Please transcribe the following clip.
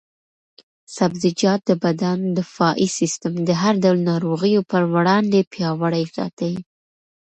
سبزیجات د بدن دفاعي سیسټم د هر ډول ناروغیو پر وړاندې پیاوړی ساتي.